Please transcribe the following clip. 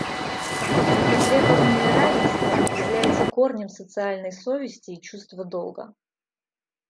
Это требование равенства является корнем социальной совести и чувства долга.